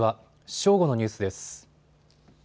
正午のニュースです。